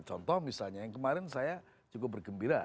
contoh misalnya yang kemarin saya cukup bergembira